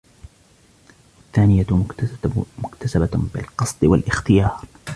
وَالثَّانِيَةُ مُكْتَسَبَةٌ بِالْقَصْدِ وَالِاخْتِيَارِ